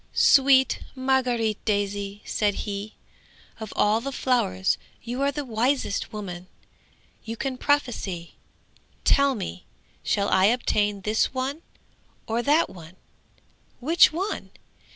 "Sweet Margaret Daisy," said he, "of all the flowers you are the wisest woman! You can prophesy! Tell me, shall I obtain this one or that one? Which one?